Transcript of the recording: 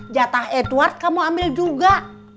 jatah edward kamu ambil juga